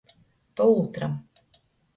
Pa ūtram.